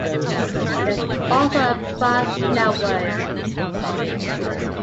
There is also a bus network.